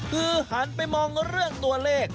คือหันไปมองเรื่องตัวเลข